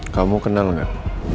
kamu kenal gak